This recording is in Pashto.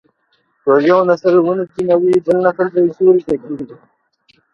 که یو نسل ونې کینوي بل نسل به یې سیوري ته کیني.